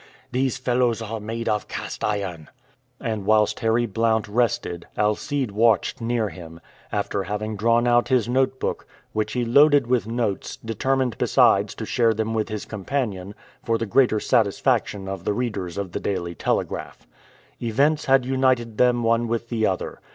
These fellows are made of cast iron." And whilst Harry Blount rested, Alcide watched near him, after having drawn out his note book, which he loaded with notes, determined besides to share them with his companion, for the greater satisfaction of the readers of the Daily Telegraph. Events had united them one with the other.